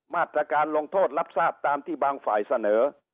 มาตรการลงโทษรับทราบตามที่บางฝ่ายเสนอ